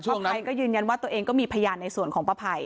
ใช่ค่ะป้าพัยก็ยืนยันว่าตัวเองก็มีพยานในส่วนของป้าพัย